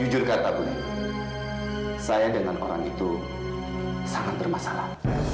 jujur kata budi saya dengan orang itu sangat bermasalah